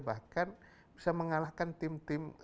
bahkan bisa mengalahkan tim tim